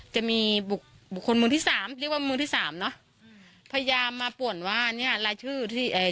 จะมีบุคคลมือที่สามเรียกว่ามือที่สามเนอะอืมพยายามมาป่วนว่าเนี้ยรายชื่อที่เอ่อ